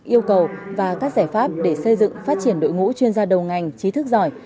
yêu cầu và các giải pháp để xây dựng phát triển đội ngũ chuyên gia đầu ngành trí thức giỏi